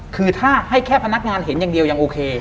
คือถ้าให้แค่พนักงานเห็นอย่างเดียวยังโอเค